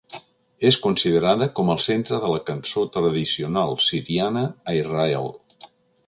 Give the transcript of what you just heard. És considerada com el centre de la cançó tradicional siriana a Israel.